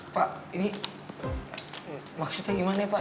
pak ini maksudnya gimana ya pak